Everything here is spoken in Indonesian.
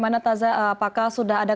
kalau kita lihat langkah langkah yang ini